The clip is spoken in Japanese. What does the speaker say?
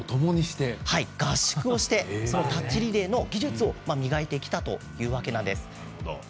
合宿をして、タッチリレーの技術を磨いてきたというわけなんです。